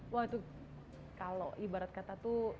wah itu kalau ibarat kata tuh